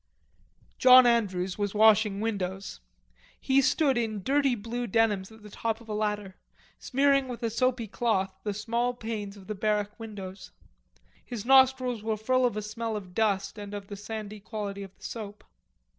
John Andrews was washing windows. He stood in dirty blue denims at the top of a ladder, smearing with a soapy cloth the small panes of the barrack windows. His nostrils were full of a smell of dust and of the sandy quality of the soap.